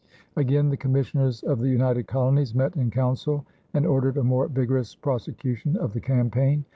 Again the commissioners of the United Colonies met in council and ordered a more vigorous prosecution of the campaign.